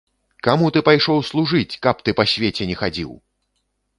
Каму ты пайшоў служыць, каб ты па свеце не хадзіў!